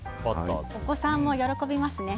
お子さんも喜びますね。